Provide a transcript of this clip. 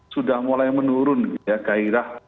sudah mulai menurun ya gairah